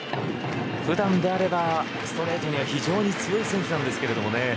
普段であれば、ストレートには非常に強い選手なんですけどね。